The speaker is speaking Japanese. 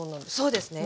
そうですね。